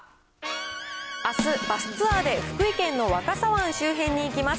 あす、バスツアーで福井県の若狭湾周辺に行きます。